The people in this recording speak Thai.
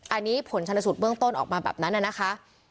อันนี้ผลชนสูตรเบื้องต้นออกมาแบบนั้นนะคะ